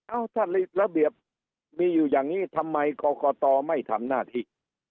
เอ้าถ้าระเบียบมีอยู่อย่างนี้ทำไมกรกตไม่ทำหน้าที่